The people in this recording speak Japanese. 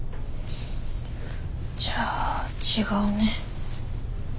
じゃあ違うね。